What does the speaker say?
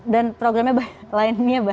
dan program lainnya banyak